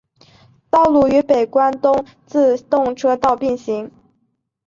道路与北关东自动车道并行。